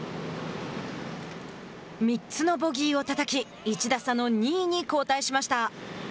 ３つのボギーをたたき１打差の２位に後退しました。